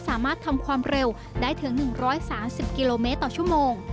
สามารถทำความเร็วได้ถึง๑๓๐กิโลเมตรต่อชั่วโมง